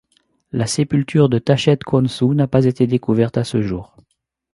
La sépulture de Tashedkhonsou n'a pas été découverte à ce jour.